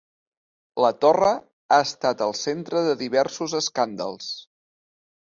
La torre ha estat el centre de diversos escàndals.